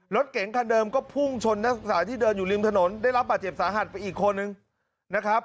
รถเก๋งคันเดิมก็พุ่งชนนักศึกษาที่เดินอยู่ริมถนนได้รับบาดเจ็บสาหัสไปอีกคนนึงนะครับ